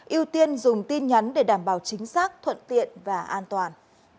ưu tiên dùng tin nhắn để đảm bảo chính xác thuận tiện và an toàn